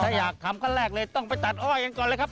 ถ้าอยากทำขั้นแรกเลยต้องไปตัดอ้อยเองก่อนเลยครับ